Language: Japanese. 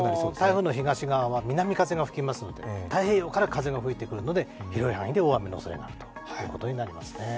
台風の東側は南風が吹きますので太平洋の方から風が吹きますので広い範囲で大雨のおそれがあるということになりますね。